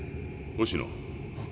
星野。